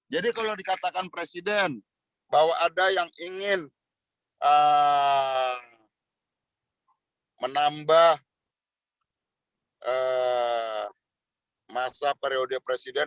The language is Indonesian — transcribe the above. kalau dikatakan presiden bahwa ada yang ingin menambah masa periode presiden